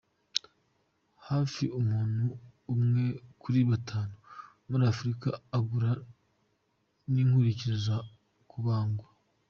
Hafi umuntu umwe kuri batanu muri Afurika ahura n’inkurikizi zo kubagwa.